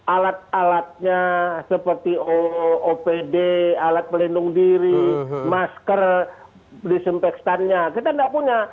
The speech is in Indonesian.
alat alatnya seperti opd alat pelindung diri masker disempek standnya kita gak punya